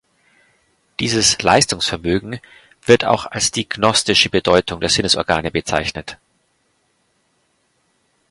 Dieses Leistungsvermögen wird auch als die gnostische Bedeutung der Sinnesorgane bezeichnet.